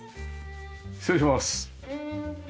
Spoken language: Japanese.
失礼します。